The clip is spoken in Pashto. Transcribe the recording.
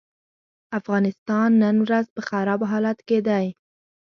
افغانستان نن ورځ په خراب حالت کې دی.